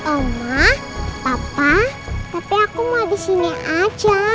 oma papa tapi aku mau di sini aja